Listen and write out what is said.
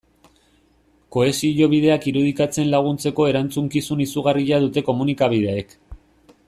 Kohesio bideak irudikatzen laguntzeko erantzukizun izugarria dute komunikabideek.